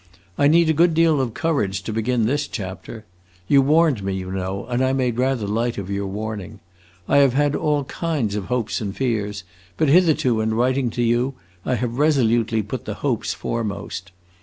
I need a good deal of courage to begin this chapter. You warned me, you know, and I made rather light of your warning. I have had all kinds of hopes and fears, but hitherto, in writing to you, I have resolutely put the hopes foremost.